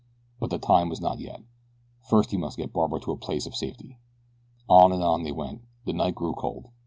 But the time was not yet first he must get Barbara to a place of safety. On and on they went. The night grew cold.